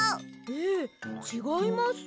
ええちがいます。